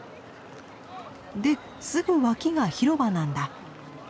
ですぐ脇が広場なんだ。